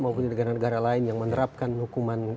maupun di negara negara lain yang menerapkan hukuman